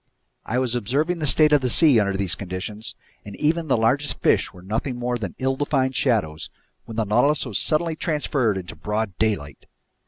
I was observing the state of the sea under these conditions, and even the largest fish were nothing more than ill defined shadows, when the Nautilus was suddenly transferred into broad daylight.